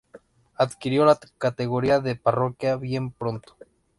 Adquirió la categoría de parroquia bien pronto.